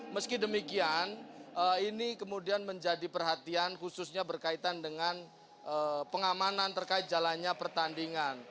meski demikian ini kemudian menjadi perhatian khususnya berkaitan dengan pengamanan terkait jalannya pertandingan